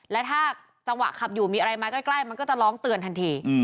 และถ้าจังหวะขับอยู่มีอะไรมาใกล้มันก็จะร้องเตือนทันที